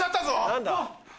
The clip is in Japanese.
何だ？